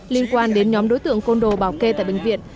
liên quan đến nhóm đối tượng côn đồ bảo kê tại bệnh viện